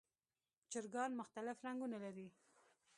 چرګان مختلف رنګونه لري.